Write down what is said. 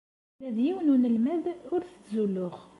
Ula d yiwen n unelmad ur t-ttzuluɣ.